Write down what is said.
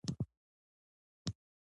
په همدې ترتیب بابک ووژل شو.